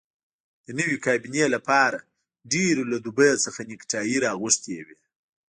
د نوې کابینې لپاره ډېرو له دوبۍ څخه نیکټایي راغوښتي وې.